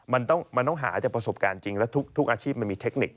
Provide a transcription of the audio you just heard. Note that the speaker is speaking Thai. มันต้องหาจากประสบการณ์จริงแล้วทุกอาชีพมันมีเทคนิค